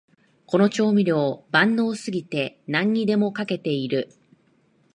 この調味料、万能すぎて何にでもかけてる